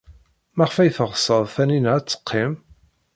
Maɣef ay teɣtes Taninna ad teqqim?